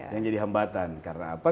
yang jadi hambatan karena apa